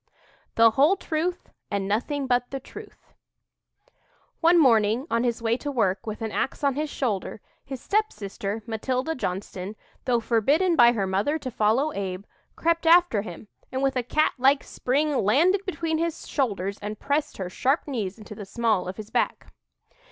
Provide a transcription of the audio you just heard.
"THE WHOLE TRUTH AND NOTHING BUT THE TRUTH" One morning, on his way to work, with an ax on his shoulder, his stepsister, Matilda Johnston, though forbidden by her mother to follow Abe, crept after him, and with a cat like spring landed between his shoulders and pressed her sharp knees into the small of his back.